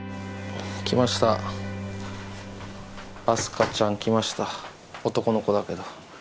明日香ちゃん来ました男の子だけど。